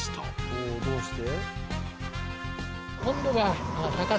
おぉどうして？